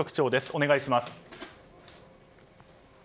お願いします。